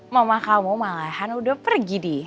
mama kamu malahan udah pergi deh